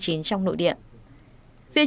phía trung quốc nga nhật bản cho biết